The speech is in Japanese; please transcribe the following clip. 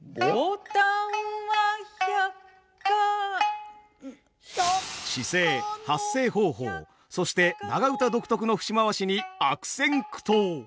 ぼたんはひゃっか姿勢発声方法そして長唄独特の節回しに悪戦苦闘。